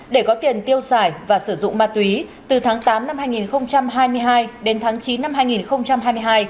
để có tiền tiêu xài và sử dụng ma túy từ tháng tám năm hai nghìn hai mươi hai đến tháng chín năm hai nghìn hai mươi hai